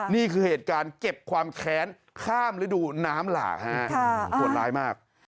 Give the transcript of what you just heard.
นี่คือเหตุการณ์เก็บความแค้นข้ามฤดูน้ำหลากฮะโหดร้ายมาก